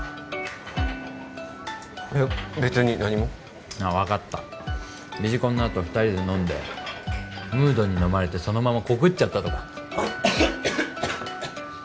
いや別に何もあっ分かったビジコンのあと二人で飲んでムードにのまれてそのまま告っちゃったとか？